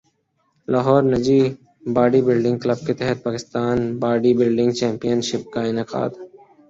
لاہور نجی body building club کے تحت Pakistan body building championship کا انعقاد